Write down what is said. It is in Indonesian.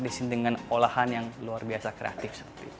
di sini dengan olahan yang luar biasa kreatif